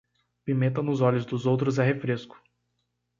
Pimenta nos olhos dos outros é refresco